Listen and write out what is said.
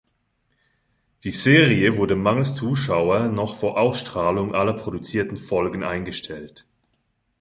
Die Serie wurde mangels Zuschauer noch vor Ausstrahlung aller produzierten Folgen eingestellt.